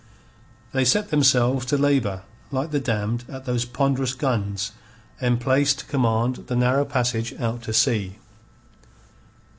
They set themselves to labour like the damned at those ponderous guns emplaced to command the narrow passage out to sea.